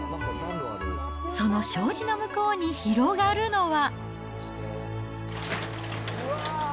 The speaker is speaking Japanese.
その障子の向こうに広がるのは。